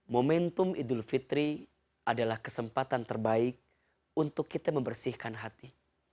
momentum idul fitri adalah kesempatan terbaik untuk kita membersihkan hati